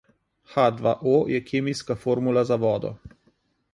H dva O je kemijska formula za vodo.